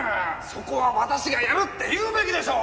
そこは私がやるって言うべきでしょ！